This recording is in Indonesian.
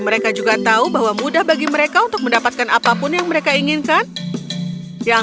mereka juga tahu bahwa mudah bagi mereka untuk mendapatkan apapun yang mereka inginkan yang